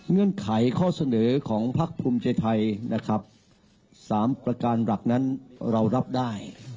เงื่อนไขข้อเสนอของพักภูมิใจไทยนะครับ๓ประการหลักนั้นเรารับได้